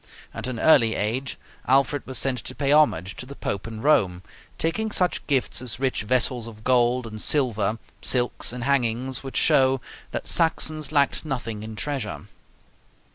At an early age Alfred was sent to pay homage to the Pope in Rome, taking such gifts as rich vessels of gold and silver, silks, and hangings, which show that Saxons lacked nothing in treasure.